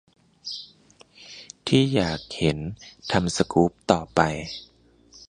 ที่อยากเห็นทำสกู๊ปต่อไป